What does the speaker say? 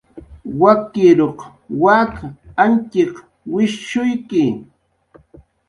Wakiruq wak Añtxiq wishshuyki.